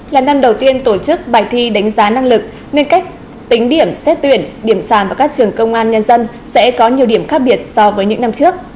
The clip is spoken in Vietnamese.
là năm đầu tiên tổ chức bài thi đánh giá năng lực nên cách tính điểm xét tuyển điểm sàn vào các trường công an nhân dân sẽ có nhiều điểm khác biệt so với những năm trước